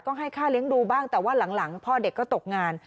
ก็ให้ค่าเลี้ยงดูบ้างแต่ว่าหลังพ่อเด็กก็ตกงาน